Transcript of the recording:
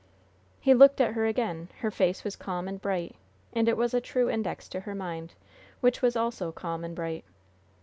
He looked at her again. Her face was calm and bright. And it was a true index to her mind, which was also calm and bright.